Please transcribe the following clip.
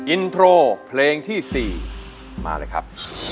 อินโตร์เพลงที่สี่มาด้วยครับ